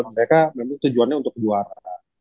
mereka memang tujuannya untuk juara